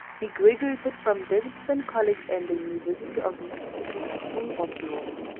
He graduated from Davidson College and the University of Mississippi School of Law.